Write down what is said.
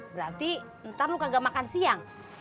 berarti ntar lu nggak makan siang